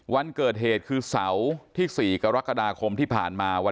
วันเกิดเหตุคือเสาร์ที่๔กรกฎาคมที่ผ่านมา